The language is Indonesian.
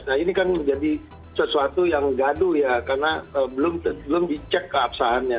nah ini kan menjadi sesuatu yang gaduh ya karena belum dicek keabsahannya